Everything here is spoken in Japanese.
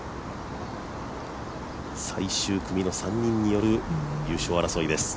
最終組の３人による優勝争いです。